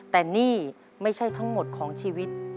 แต่นี่ไม่ใช่ทั้งหมดของชีวิต